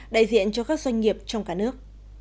đại diện cho các doanh nghiệp trong cả nước